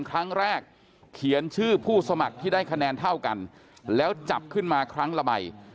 ครั้งแรกเขียนชื่อผู้สมัครที่ได้คะแนนเท่ากันแล้วจับขึ้นมาครั้งละใบ